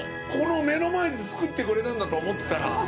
この目の前で作ってくれたんだと思ってたら。